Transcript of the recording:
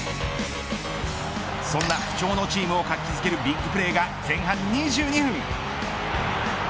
そんな不調のチームを活気づけるビッグプレーが前半２２分。